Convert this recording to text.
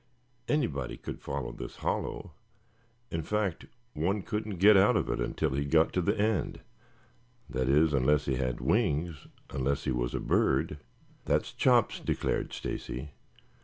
"Anybody could follow this hollow; in fact, one couldn't get out of it until he got to the end that is, unless he had wings unless he was a bird." "That's Chops," declared Stacy.